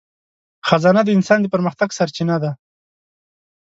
خزانه د انسان د پرمختګ سرچینه ده.